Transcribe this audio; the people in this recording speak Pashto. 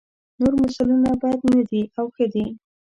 نور مثالونه بد نه دي او ښه دي.